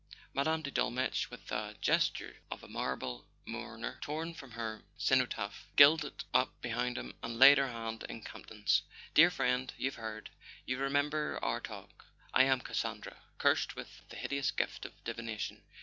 Mme. de Dolmetsch, with the gesture of a marble mourner torn from her cenotaph, glided up behind him and laid her hand in Campton's. "Dear friend, you've heard? ... You remember our talk? I am Cassandra, cursed with the hideous gift of divination."